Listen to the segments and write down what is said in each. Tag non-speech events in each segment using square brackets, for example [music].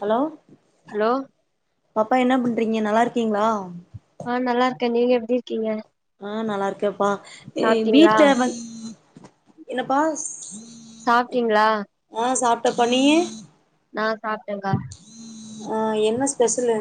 hello hello பாப்பா என்ன பண்றீங்க நல்லா இருக்கீங்களா ஆ நல்லா இருக்கேன் நீங்க எப்படி இருக்கீங்க ஆ நல்லா இருக்கேப்பா சாப்ட்டீங்களா வீட்டுல வந் என்னப்பா சாப்ட்டீங்களா ஆ சாப்பிட்டப்பா நியே நான் சாப்பிட்டேங்கா ஆ என்ன ஸ்பெஷலு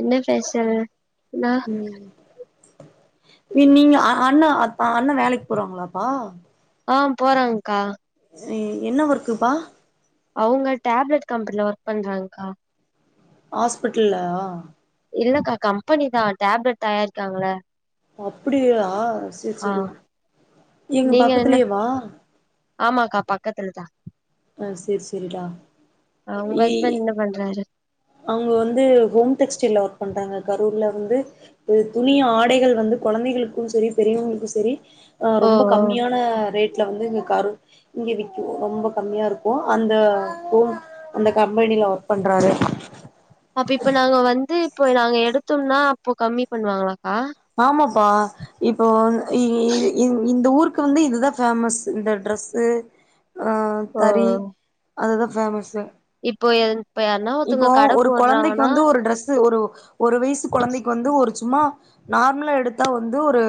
என்ன பேசல் ம் நீங்க அண்ணா அ அ அண்ண வேலைக்கு போறாங்களாப்பா ஆ போறங்கா என்ன ஒர்க்குப்பா அவங்க டேப்லெட் கம்பெனில ஒர்க் பண்றாங்கா ஹாஸ்பிட்டல்லா இல்லக்கா கம்பெனி தான் டேப்லெட் தயாரிக்காங்கள அப்படிய ஆ சரி ஆ சரி எங்க நீங்க என்ன பக்கத்துலயே வா கில்லக்கா சரி சரிடா ஆ உங்க இ ஹஸ்பண்ட் என்ன பண்றாரு அவங்க வந்து ஹோம் டெக்ஸ்டை ஒர்க் பண்றாங்க கரூர்ல வந்து இது துணிய ஆடைகள் வந்து குழந்தைகளுக்கும் சரி பெரியவங்களுக்கும் சரி ஓ ரொம்ப ஓ கம்மியான ரேட் வீட்ல வந்துங்க கரு இங்க விக்கும் ரொம்ப கம்மியா இருக்கும் அந்த [unintelligible] அந்த கம்பெனி னில ஒர்க் பண்றாரு அப்ப இப்ப நாங்க வந்து இப்போ நாங்க எடுத்தோம்னா அப்போ கம்மி பண்ணுவாங்களா ஆமாப்பா இப்போ இ இ இந் இந்த ஊருக்கு வந்து இதுதா ஃபேமஸு இந்த ட்ரெஸு அ ஓ தறி அதுதா ஃபேமஸ்ஸு இப்போ இப்ப யார்னா ஒர்த்தோவுங்க கட ஒரு கொழந்தைக்கு போடுறாங்கன்னா வந்து ஒரு ட்ரெஸ் ஒரு ஒரு வயசு கொழந்தைக்கு வந்து ஒரு சும்மா நார்மலா எடுத்தா வந்து ஒரு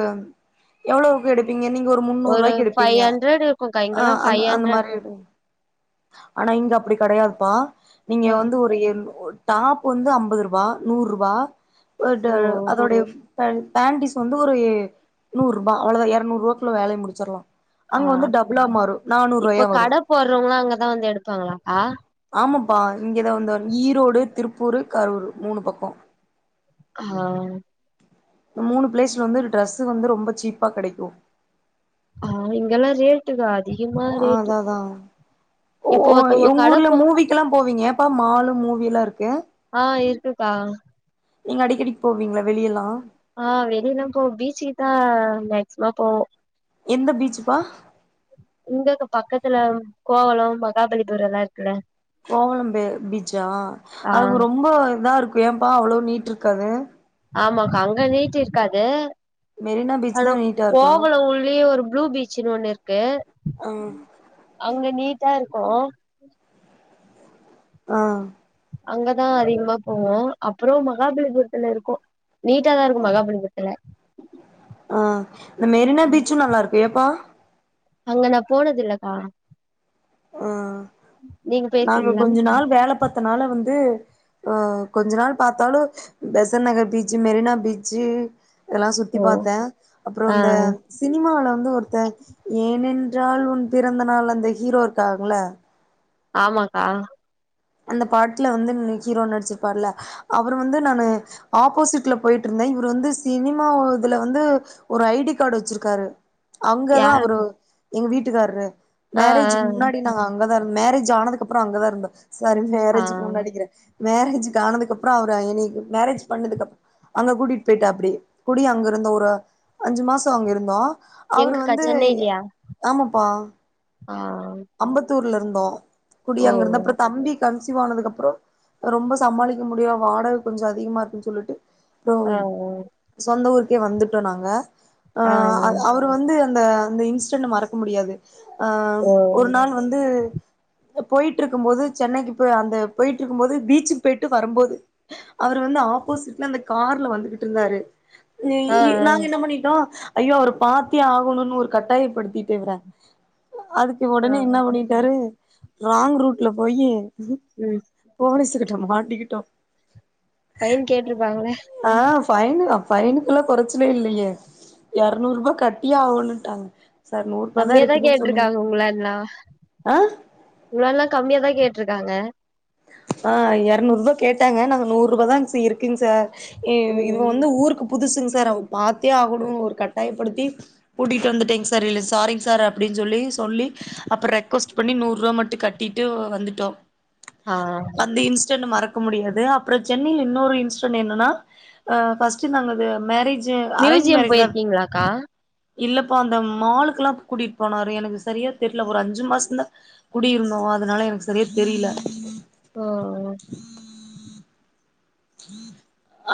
எவ்ளோவுக்கு எடுப்பீங் இங்க நீங்க ஒரு முன்னூரூவாய்க்கு எடுப்பீங்க ஃபைவ் ஹண்ட்ரட் இருக்குக்கா அ இங்கெல்லா அந்த ஃபைவ் அந்த ஹண்ட்ரட் மாதிரி எடுங் ஆனா இங்க அப்புடி கெடையாதுப்பா நீங்க ஆ வந்து ஒரு எழ்நூ ஒரு டாப் வந்து அம்பதுறுபா நூறுபா ஒர் ட ஓ அதோடய பேன் பேன்டிஸ் வந்து ஒரு எ நூறுபா அவ்ளதா எரநூறுபாக்குள்ள வேலைய முடிச்சற்லா ஆ அங்க வந்து டபுளா மாறோ நானூறுபாயா வரோ அதா வந்து எடுப்பாங்களாப்பா ஆமாப்பா இங்கதா வந்து ஈரோடு திருப்பூரு கரூரு மூணு பக்கோ ஆஹ் இந்த மூணு பிளேஸ்ல வந்து ட்ரெஸ்ஸு வந்து ரொம்ப சீப்பா கெடைக்கோ ஆஹ் இங்கெல்லா ரேட்டுக்கா அதிகமா அதா ரேட்டு அதா உ இப்போ உ ஒருத்தவங்க உங்க கட ஊர்ல போ மூவிக்குலா போவீங்க இப்ப மாலு மூவிலா இருக்கு ஆஹ் இருக்குகா நீங்க அடிக்கடிக்கு போவீங்களா வெளியலா ஆ வெளிலா போவோ பீச்சிக்குதா மேக்சிமோ போவோ எந்த பீச்சுப்பா இங்க பக்கத்துல கோவலம் மகாபலிபுரலா இருக் கோவலம் ப பீச்சா ஆ அதுக்கு ரொம்போ இதா இருக் ஏம்பா அவ்ளோ நீட் இர்க்காது ஆமாங்கா அங்க நீட்டு இருக்காது மெரினா பீச் ஆனா தா நீட்டா இருக்கு கோவலோ உள்ளயே ஒரு ப்ளூ பீச்சன்னு ஒண்ணு இருக்கு ஆ அங்க நீட்டா இருக்கோ ஆ அங்கதா அதிகமா போவோ அப்புறோ மகாபலிபுரத்துல இருக்கோ நீட்டா தா இருக்கோ மகாபலிபுறத்துல ஆ இந்த மெரினா பீச்சு நல்லா இருக்கோ ஏப்பா அங்க நா போனதுலக்கா ஆ நாங்க போயிருக்கீங்களா கொஞ்சோ நாள் வேல பாத்தனால வந்து அ கொஞ்சோ நாள் பார்த்தாலு பெசன் நகர் பீச்சு மெரினா பீச்சு இதெல்லா சுத்தி ஓ பாத்தே அப்புறோ ஆ இந்த சினிமால வந்து ஒருத்த ஏனென் ரால் உன் பிறந்த நாள் அந்த ஹீரோ இருக்காங்கள ஆமாக்கா அந்த பாட்ல வந்து நி ஹீரோ நடிச்சிருப்பாருல அவர் வந்து நானு ஆப்போசிட்ல போயிட்டு இருந் இவரு வந்து சினிமா ஓ இதுல வந்து ஒரு ஐ டி கார்டு வெச்சிருக்காரு அங்கதா யாரு அவரு எங்க வீட்டுக்காரரு ஆ மேரேஜக்கு முன்னாடி நாங் அங்கதா இருந் மேரேஜ் ஆனதுக்கப்புறோ அங்கதா இருந்தோ சரி ஆ ஆ மேரேஜக்கு முன்னாடிக்கிறே மேரேஜக்கு ஆனதுகப்புறோ அவுரு என்னிக்கு மேரேஜ் பண்ணதுக்கு அப் அங்க கூட்டிட்டு போயிட்டாப்டி குடி அங்க இருந்த ஒரு அஞ்சு மாசோ அங்க இருந்தோ அவரு எங்கக்கா வந்து சென்னையிலயா ஆமாப்பா ஆ அம்பத்தூர்ல இர்ந்தோ குடி ஓ அங்க இருந்தே அப்புறோ தம்பி கண் ஸீவானதுக்கப்புறோ ரொம்ப சமாளிக்க முடியல வாடக கொஞ்சோ அதிகமா இருக்குனு சொல்லிட்டு அப்றோ உ ஆ சொந்த ஊருக்கே வந்துட்டோ நாங்க அ ஆ ஆ அவ் அவரு வந்து அந்த அந்த இன்சிடென் மறக்க முடியாது அ ஓ ஒரு நாள் வந்து போயிட்ருக்கும் போது சென்னைக்கு போய் அந்த போயிட்டு இருக்கும் போது பீச்சு போயிட்டு வரும்போது அவரு வந்து ஆப்போசிட்ல அந்த கார்ல வந்துகிட்டு இருந்தாரு இ ஆ ஆ இ நாங்க என்ன பண்ணிட்டோ ஐயோ அவர பாத்தியே ஆகணுனு ஒரு கட்டாயப்படுத்திட்ருக்குறே ஆ ஒடனே என்னா பண்ணிட்டாரு ராங் ரூட்ல போயி ம் போலிஸ் கிட் ட மாட்டிக்கிட்டோ ஃபைன் கேட்ருப்பாங்கல ஆ ஃபைனு ஃபைனுக்கெல்லா கொறைச்சலே இல்லையே எறநூர்பா கட்டியே ஆகனுட்டாங்க கம்மியா தா கேட்ருக்காங்க ஒங்கள ஆ ரொம்ப கம்மியாதா கேட்ருக்காங்க ஆ எறநூர்பா கேட்டாங்க நாங்க நூர்ருபா தா இருக்குங் சார் ம் இது ம் வந்து ஊருக்கு புதுசுங் சார் அவுங் பாத்தே ஆகனு ஒரு கட்டாயப்படுத்தி கூட்டிட்டு வந்துட்டேங்க சார் இல்ல சாரிங் சார் அப்டின்னு சொல்லி சொல்லி அப்றோ ரெக்வஸ்ட் பண்ணி நூருவா மட்டு கட்டிட்டு வந்துட்டோ ஆ அந்த இன்ஸ்டன் மறக்க முடியாது அப்றோ சென்னையில இன்னொரு இன்சிடெட் என்னன்னா ஃபர்ஸ்ட்டு நாங்க மேரேஜ் அரேஞ்ச் மியூசியம் மேரேஜ் தா இப்ப போயிருக்கீங்களாக்கா இல்லப்பா அந்த மாலுக்கெல்லா அப் கூட்டிட்டு போனாரு எனக்கு சரியா தெர்ல ஒரு அஞ்சு மாசோ தா குடியிருந்தோ அதனால எனக்கு செரியா தெரில ஓ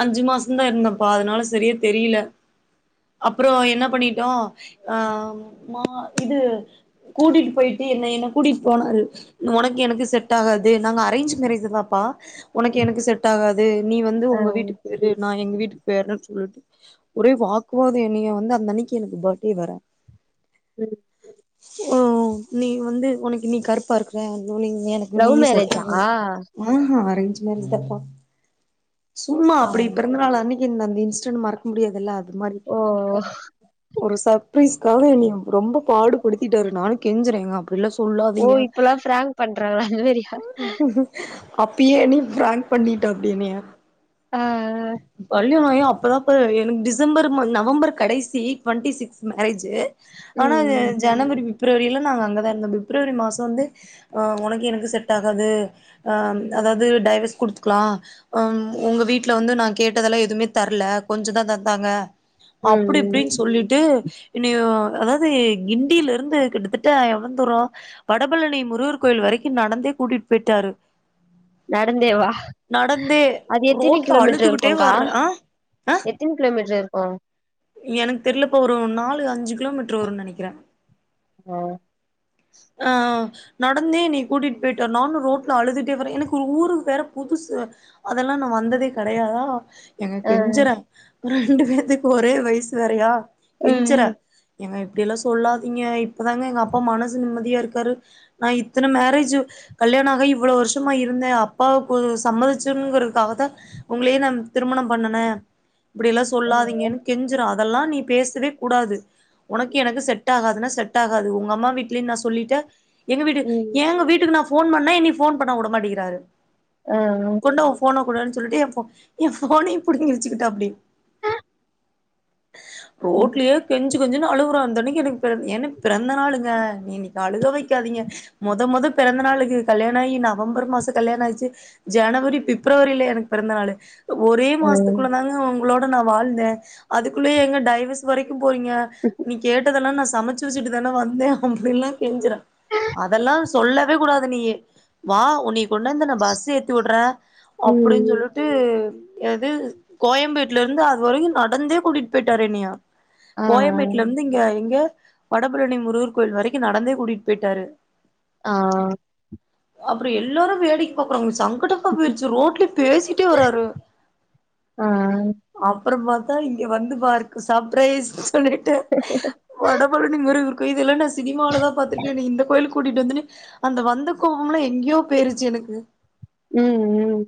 அஞ்சி மாசோ தா இருந்தேப்பா அதனால செரியா தெரியில அப்றோ என்ன பண்ணிட்டோ அ மா இது கூட்டிட்டு பொயிட்டு என்ன என்ன கூட்டிட்டு போனாரு ஒனக்கு எனக்கு செட் ஆகாது நாங்க அரேஞ்சி மேரேஜ்தாப்பா ஒனக்கு எனக்கு செட் ஆகாது நீ வந்து ஆ ஒங்க வீட்டுக்கு பொயிடு நா எங்க வீட்டுக் பொயர்லான் சொல்ட்டு ஒரே வாக்குவாதோ என்னைய வந்து அந்தன்னிக்கு எனக்கு பர்த்டே வேற ம் ஓ நீ வந்து ஒனக்கு நீ கருப்பா இருக்குற நீங்க எனக்கு நீ லவ் செட் மேரேஜா ஆகல ஆஹ அரேஞ்ச் மேரேஜ்தாபா சும்மா ஆ அப்டி பிறந்த நாள் அன்னிக்கு இந்த அந்த இன்ஸிடன்ட் மறக்க முடியாதில்ல அது மாரி ஓ ஒரு சர்ப்ரைஸ்காக என்னைய ரொம்ப பாடுபடுத்திட்டாரு நானு கெஞ்சறே ஏங்க அப் பிட்லா ஓ சொல்லாதீங்க இப்பல்லா பிராங்க் பண்றாங்களா அந்த மாரியா அப்பயே என்ன பிராங்க் பண்ணிட்டாப்டி என்னய ஆ இல்ல நா ஏ அப்பில்லா போய் எனக்கு டிசம்பர் மா நவம்பர் கடைசி ட்வெண்ட்டி சிக்ஸ் மேரேஜூ ம் ஆனா ம் ஜனவரி பிப்ரவரியில நாங்க அங்கதா இருந்தோ பிப்ரவரி மாசோ வந்து ஆ ஒனக்கு எனக்கு செட் ஆகாது ம் அதாது டைவர்ஸ் குடுத்துக்கலா ஒங்க வீட்ல வந்து நா கேட்டதெல்லா எதுமே தர்ல கொஞ்சதா தந்தாங்க ம் அப்டி ம் இப்டினு சொல்லிட்டு என்னயோ அதாது கிண்டியில இருந்து கிட்டத்தட்ட எவளந்தூரோ வடபழனி முருகர் கோயில் வ ரைக்கு நடந்தே கூட்டிட்டு பொயிட்டாரு நடந்தேவா அது எத்தினி ரோட்ல கிலோமீட்ரு அழுதுகிட்டே இருக்குகா வர்ற ஆ எத்தினி கிலோமீட்ரு இருக்கு எனக்கு தெரிலப்ப ஒரு நாலு அஞ்சி கிலோமீட்ரு வருனு நெனக்கிறே அ அ நடந்தே நீ கூட்டிட்டு பொய்ட்ட நானு ரோட்ல அழுதுட்டே வரே எனக்கு ஊரு வேற புதுசு அதெல்லா நா வந்ததே கெடையாதா ஏங்க ம் கெஞ்சரே ரெண்டு பேத்துக்கு ஒரே வயசு வேறையா கெஞ்சரே ம் ஏங்க அப்டியெல்லா சொல்லாதீங்க இப்பதாங்க எங்க அப்பா மனசு நிம்ம தியா இருக்காரு நா இத்தன மேரேஜூ கல்யாணோ ஆகி இவ்ளோ வருஷமா இருந்தே அப்பாவுக்கு சம் மதிச்சுர்னுங்கறதுக்காகதா ஒங்ளே நான் திருமணம் பண்ணுனே இப்டியெல்லா சொல்லாதீங்கன்னு பிஞ்சிரு அதெல்லா நீ பேசவே குடாது உனக்கு எனக்கு செட் ஆகாதுன்னா செட் ஆகாது உங்க அம்மா வீட்லயு நான் சொல்லிட்ட எங்க வீட்டுக்கு ம் ஏங்க வீட்டுக்கு நா போன் பண்ணா என்னை போன் பண்ண விடமாட்டங்கிறாரு ஆ கொண்ட உன் போன கூடன்னு சொல்லிட்டு என் என் போனயு புடிங்கி வேச்சுக்கிட்டப்படி ம் ரோட்லியே கெஞ்ச கொஞ்ச அழுறக்கு எனக்கு பிற என பிறந்த நாளுங்க நீக்கு அழுக வைக்காதீங்க மொத மொத பிறந்த நாளுக்கு கல்யாண ஆகி நவம்பர் மாசம் கல்யாண ஆயிச்சு ஜனவரி பிப்ரவரியில எனக்கு பிறந்த நாளு ஒரே ஆ மாசத்துக்குள்ள தாங்க உங்களோட நான் வாழ்ந்தே அதுக்குள்ளயே எங்க டைவர்ஸ் வரைக் போறீங்க நீ கேட்டதெல்லா நா சமைச்சு வச்சுட்டு தானே வந்தே அப்படின்னுல்லா கேஞ்சறே அதெல்லா சொல்லவே கூடாது நீ வா உன்னை கொண்டாந்து நா பஸ் ஏத்தி விடுறே அப்படின்னு ம் சொல்லிட்டு எது கோயம்பேடல இருந்து அதுவரைக்கு நடந்தே கூட்டிட்டு போயிட்டரு என்னயா ஆ கோயம்பேட்டல இருந்து இங்க இங்க வடபழனி முருகர் கோயில் வரைக்கு நடந்தே கூட்டிட்டு போயிட்டாரு ஆ அப்புற எல்லாரு வேடிக்கு பாக்குறோாங்க சங்க போயிருச்சு ரோட்ல பேசிட்டே வராரு ஆ அப்புறம் பாத்த இங்க வந்து பாருக சர்பரைஸ் சொல்லிட்டு வடபழனி முருகர் இது எல்ல சினிமால தா பாத்திருக்கே என்னை இந்த கோய்லுக்கு கூட்டிட்டு வந்துன்னு அந்த வந்த கோபம் எலாம் எங்கேயோ போயிருச்சு எனக்கு ம் ம்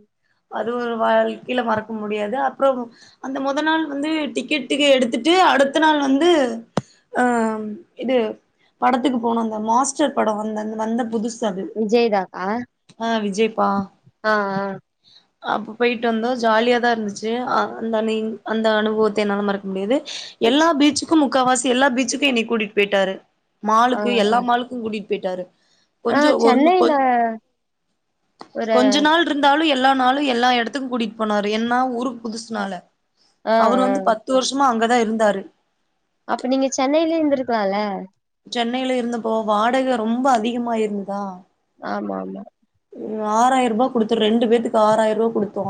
அது ஒரு வாழ்க்கையில மறக்க முடியாது அப்புறம் அந்த முதல் நாள் வந்து டிக்கெட்டுக்கு எடுத்துட்டு அடுத்த நாள் வந்து அ இது படத்துக்கு போனும் அந்த மாஸ்டர் படம் வந்த வந்த புதுஸ் விஜய்தாக்கா விஜய்ப்பா ஆ ஆ அப்ப போயிட்டு வந்தோ ஜாலியாதா இருந்துச்சு அந்த அந்த அனுபவத்தை என்னால மறக்க முடியாது ஆ ச் எல்லா பீச்சுக்கு முக்கால்வாசி எல்லா பீச்சுக்கு என்னை கூட்டிட்டு போயிட்டாரு ஆ மாளுக்கு ஆ எல்லா மாளுக்கு கூட்டிட்டு போயிட்டாரு ஆ கொஞ்ச ஒரு சென்னையில கொஞ் ஒரு கொஞ்ச நாள் இருந்தாலு எப் எல்லா நாளும் எல்லா இடத்துக்கு கூட்டிகிட்டு போனாரு என்னா ஊருக்கு புதுசுனால ஆ அவரு ஆ வந்து பத்து வருஷமா அங்கதான் இருந்தாரு அப்ப நீங்க சென்னையில இருந்திருக்கலால சென்னையில இருந்தப்போ வாடகை ரொம்ப அதிகமாயிருந்ததா ஆமா ஆமா ஆறாயிரம் ரூபா குடுத்தோ ரெண்டு பேத்துக்கு ஆறாயிரம் ரூபாய் குடுத்தோ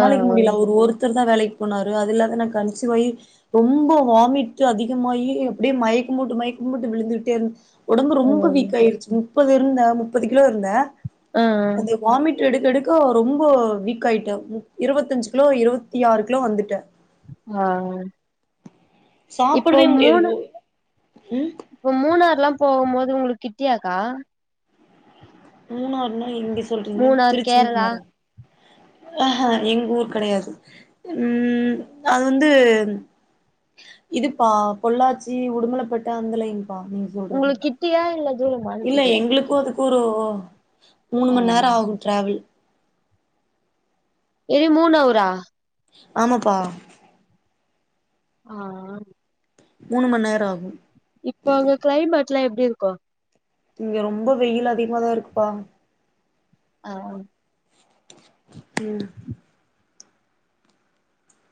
ஆ முடியல அவரு ஒருத் வேலைக்கு போனாரு அது இல்லாத நான் கன்சீவ் வாய் ரொம்ப வாமிட் அதிகமாகி எப்படியே மயக்கு மயக்கம் போட்டு மயக்கம்போட்டு விழுந்துகிட்டே இருந்த உடம்பு ஆ ரொம்ப வீக் ஆயிருச்சு முப்பது இருந்தே முப்பது கிலோ இருந்தே ஆ ஆ எடுக்க எடுக்க ரொம்ப வீக் ஆயிட்டே இருபத்தஞ்சு கிலோ இருபத்தி ஆறு கிலோ வந்துட்டே அ இப்போ சாப்பிடவே முடியாது மூணு ஓ ம் இப்ப மூணறுலா போகும் போது உங்களுக்கு கிட்டியாக்கா மூணாருன்னா எங்க சொல்றீங்கே மூணார் திருச்சி கேரளா மூணார அ எங்க ஊர் கிடையாது உம் அது வந்து இதுப்பா பொள்ளாச்சி உடுமலைபேட்ட அந்த லைன்பா நீங்க சொல்றது உங்களுக்கு கிட்டியா இல்ல தூரமான்னு இல்ல கேக்குறே எங்களுக்கும் அதுக்கு ஒரு மூணு ஆ மணி நேரம் ஆகும் டிராவல் ஏது மூன அவரா ஆமாப்பா ஆ மூணு மணி நேரம் ஆகும் இப்போ அங்க கிளைமேட் எல்லா எப்படி இருக்கு இங்க ரொம்ப வெயில் அதிகமாதான் இருக்குப்பா ஆ ம்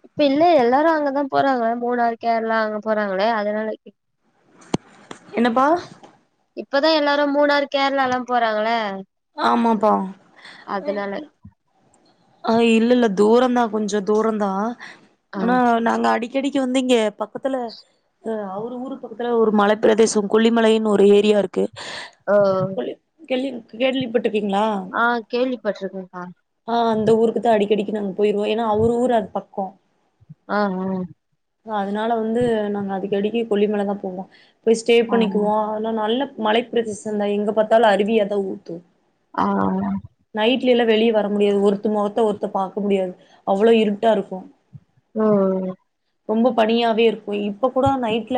இப்ப இல்ல எல்லாரும் அங்கதான் போறாங்களே மூணார் கேரளா அங்க போறாங்களே அதனால கேட் என்னப்பா இப்பதான் எல்லாரும் மூணாறு கேரளா எல்லா போறாங்கள ஆமாப்பா அதனால அ இல்ல இல்ல தூர தா கொஞ்ச தூர தா ஆ ஆனா நாங்க அடிக் க்கடிக்கு வந்து இங்க பக்கத்துல ஆ அவரு ஊரு பக்கத்துல ஒரு மல பிரதேசம் கொல்லி மலை ன்னு ஒரு ஏரியா இருக்கு ஓ கொல்லி க கேள்வி கேள்வி பட் ஆ கேள்விப்பட்ருக்கேக்கா ஆ அந்த ஊருக்கு தான் அடிக்க டிக்கு நாங்க போயிருவோ ஏன்னா அவர் ஊர் அது பக்க ஆஹ்ஹ அதனால வந்து நாங்க அதுக்கு அடிக்அடிக் கொல்லிமல தா போவோ போய் ஸ்டே ஆ ஆ பண்ணிக்குவோ அதெல்லா நல்ல மலைப்பிரதேசம்தா எங்க பாத்தாலு அருவியாதா ஊத்து ஆ ஆ ட்ல எல்லா வெளியே வர முடியாது ஒருத்த முகத்தை ஒருத்த பாக்க முடியாது அவ்ளோ இருட்டா இருக்கு ம் ம் ரொம்ப பனியாவே இருக்கு இப்ப கூட நைட்ல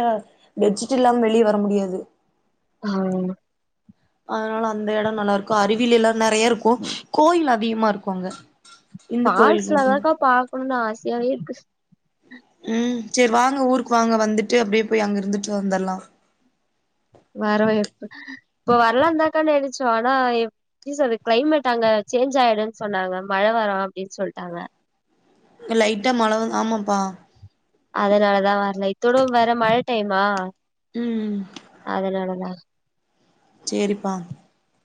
பெட்சிட் இல்லாம வெளியே வர முடியாது ஆ அதனால அந்த எட நல்லா இருக்கு அருவி எல்லா நறைய இருக்கு கோயில் அதிகமா இருக்கு அங்க இந்து கோயில் ஃபால்ஸ்ல வந்து தாக்கா பாக்கணும்னு ஆசையாவே இருக்கு ம் சரி வாங்க ஊருக்கு வாங்க வந்துட்டு அப்டியே போய் அங்க இருந்துட்டு வந்தடலா வர இப்ப வரல இருந்தாக்கான்னு நனச்சோ ஆனா எப்டி சரி கிளைமேட் அங்க சேஞ்ச் ஆயிடுனு சொன்னாங்க மழை வரு அப்டின்னு சொல்ட்டாங்க லைட்டா மழ வந் ஆமாப்பா அதனாலதான் வரல இத்தோட வேற மழை டைமா ம் அதனால தா சேரிப்பா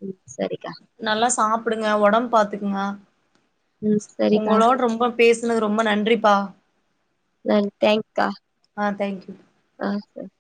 ம் சரிக்கா நல்லா சாப்டுங்க உடம் பாத்துக்குங்க ம் சரிக்கா உங்களோட ரொம்ப பேசுனது ரொம்ப நன்றிப்பா ந தேங் கா ஆ தேங்க்யூ ஆ சரி